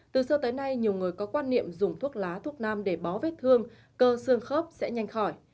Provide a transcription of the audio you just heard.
từ xưa tới nay nhiều người có quan niệm dùng thuốc lá thuốc nam để bó vết thương cơ xương khớp sẽ nhanh khỏi